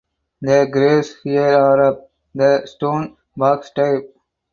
The graves here are of the stone box type.